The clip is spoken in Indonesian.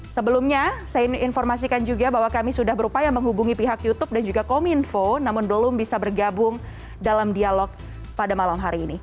sebelumnya saya ingin informasikan juga bahwa kami sudah berupaya menghubungi pihak youtube dan juga kominfo namun belum bisa bergabung dalam dialog pada malam hari ini